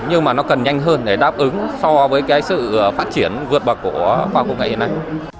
nhưng mà nó cần nhanh hơn để đáp ứng so với cái sự phát triển vượt bậc của khoa công nghệ hiện nay